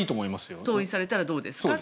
登院されたらどうですかと。